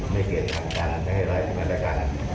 ไม่เกลียดคำกันไม่ให้ไร้คำกัน